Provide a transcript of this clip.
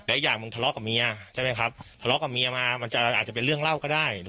อีกอย่างมึงทะเลาะกับเมียใช่ไหมครับทะเลาะกับเมียมามันจะอาจจะเป็นเรื่องเล่าก็ได้